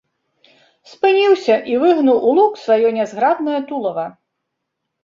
Спыніўся і выгнуў у лук сваё нязграбнае тулава.